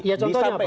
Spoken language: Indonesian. ya contohnya apa